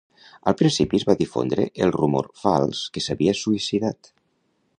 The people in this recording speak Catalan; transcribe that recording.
Al principi es va difondre el rumor fals que s'havia suïcidat.